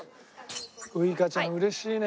ウイカちゃんうれしいね。